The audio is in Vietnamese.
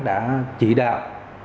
đã chỉ đạo